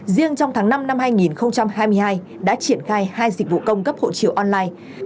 riêng trong tháng năm năm hai nghìn hai mươi hai đã triển khai hai dịch vụ công cấp hộ chiếu online